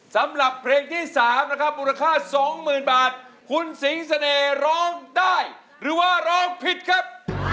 สำหรับเพลงที่๓นะครับมูลค่า๒๐๐๐บาทคุณสิงเสน่ห์ร้องได้หรือว่าร้องผิดครับ